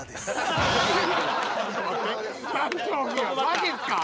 マジっすか？